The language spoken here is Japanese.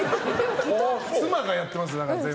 妻がやってますだから全部。